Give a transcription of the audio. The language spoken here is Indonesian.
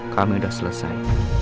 kami udah selesai